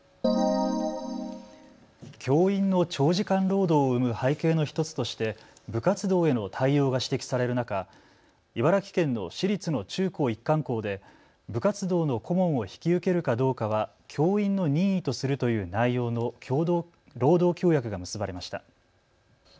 教員の長時間労働を生む背景の１つとして部活動への対応が指摘される中、茨城県の私立の中高一貫校で部活動の顧問を引き受けるかどうかは教員の任意とするという内容の労働協約が結ばれました。